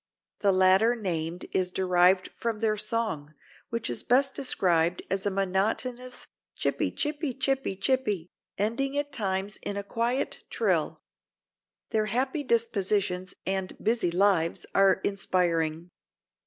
The latter name is derived from their song, which is best described as a "monotonous chippy chippy chippy chippy," ending at times in a quiet trill. Their happy dispositions and busy lives are inspiring.